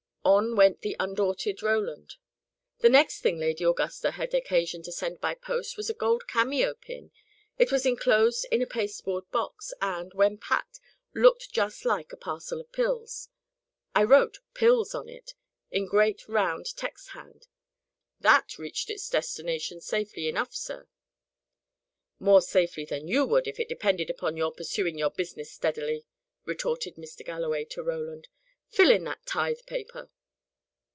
On went that undaunted Roland: "The next thing Lady Augusta had occasion to send by post was a gold cameo pin. It was enclosed in a pasteboard box, and, when packed, looked just like the parcel of pills. I wrote PILLS on it, in great round text hand. That reached its destination safely enough, sir." "More safely than you would, if it depended upon your pursuing your business steadily," retorted Mr. Galloway to Roland. "Fill in that tithe paper."